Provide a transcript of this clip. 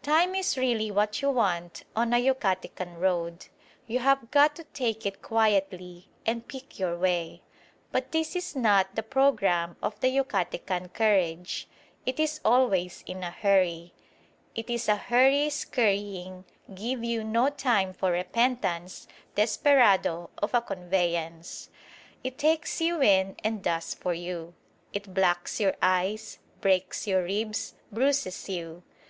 Time is really what you want on a Yucatecan road. You have got to take it quietly and pick your way. But this is not the programme of the Yucatecan carriage. It is always in a hurry. It is a hurry skurrying, give you no time for repentance desperado of a conveyance. It takes you in and does for you. It blacks your eyes, breaks your ribs, bruises you.